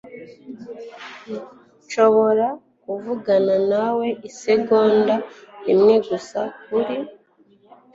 Nshobora kuvugana nawe isegonda imwe gusa kuri ?